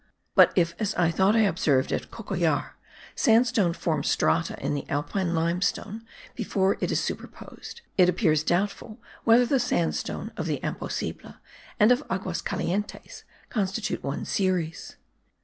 But if, as I thought I observed at Cocollar, sandstone forms strata in the Alpine limestone before it is superposed, it appears doubtful whether the sandstone of the Imposible, and of Aguas Calientes, constitute one series.